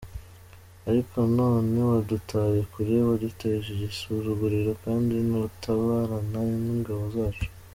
Ariko none wadutaye kure waduteje igisuzuguriro, Kandi ntutabarana n’ingabo zacu.